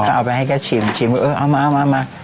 ก็เอาไปให้แกชิมชิมว่าเออเอามามา